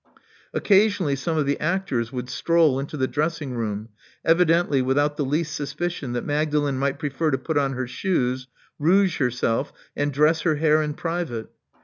Occasionally some of the actors would stroll into the dressing room, evidently without the least suspicion that Magdalen might prefer to put on her shoes, rouge herself, and dress her hair in private.